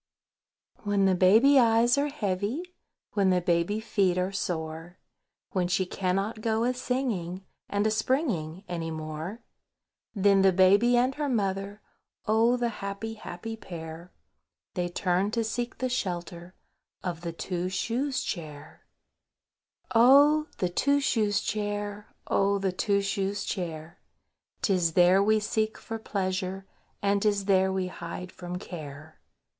WHEN the baby eyes are heavy, When the baby feet are sore, When she cannot go a singing And a springing any more, Then the Baby and her mother, Oh! the happy, happy pair! They turn to seek the shelter Of the Two shoes Chair. Chorus.—Oh! the Two shoes Chair! Oh! the Two shoes Chair! 'Tis there we seek for pleasure, And 'tis there we hide from care.